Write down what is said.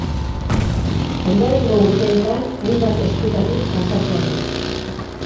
Ondorengo urteetan hainbat eskutatik pasa zen.